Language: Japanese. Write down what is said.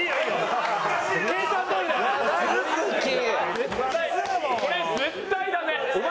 絶対これ絶対ダメ。